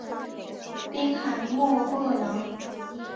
滨海莫厄朗。